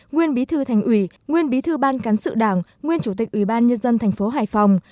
nguyên bí thư thành ủy nguyên bí thư ban cán sự đảng nguyên chủ tịch ủy ban nhân dân thành phố hải phòng